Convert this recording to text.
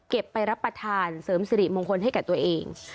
ไปรับประทานเสริมสิริมงคลให้กับตัวเอง